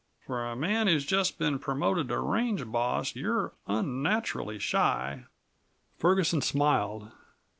"For a man who's just been promoted to range boss you're unnaturally shy." Ferguson smiled.